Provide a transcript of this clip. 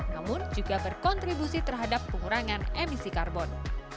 namun juga berkontribusi terhadap pengurangan emisi karbon